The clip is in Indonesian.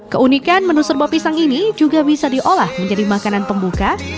keunikan menu serba pisang ini juga bisa diolah menjadi makanan pembuka